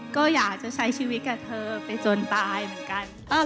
ก็อยากจะใช้ชีวิตกับเธอไปจนตายเหมือนกัน